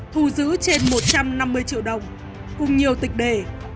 thu giữ trên một trăm năm mươi triệu đồng cùng nhiều tịch đề